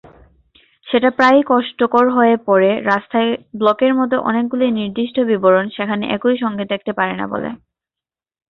সেটা প্রায়ই কষ্টকর হয়ে পড়ে, রাস্তার ব্লকের মতো অনেকগুলি নির্দিষ্ট বিবরণ সেখানে একই সঙ্গে দেখাতে পারে না বলে।